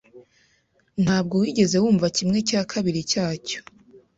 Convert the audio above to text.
Ntabwo wigeze wumva kimwe cya kabiri cyacyo.